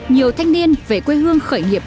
nhiều thanh niên về quê hương khởi nghiệp